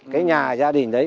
cái nhà gia đình đấy